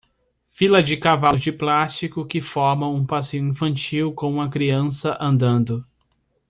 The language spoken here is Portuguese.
Fila de cavalos de plástico que formam um passeio infantil com uma criança andando.